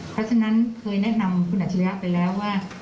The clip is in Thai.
เพราะฉะนั้นเคยแนะนำคุณอัจฉริยะไปแล้วว่า